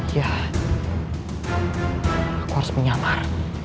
ya aku harus menyamar